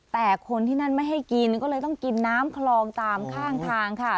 แต่คนที่นั่นไม่ให้กินก็เลยต้องกินน้ำคลองตามข้างทางค่ะ